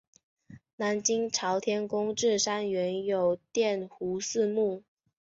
南京朝天宫冶山原有卞壸祠墓。